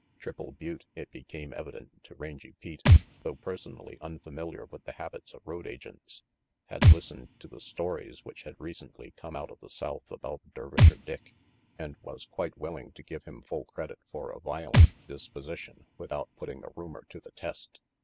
Triple Butte, it became evident to Rangy Pete, though personally unfamiliar with the habits of road agents, had listened to the stories which had recently come out of the south about Dervisher Dick, RANGY PETE 19 and was quite willing to give him full credit for a violent disposition without putting the rumor to the test.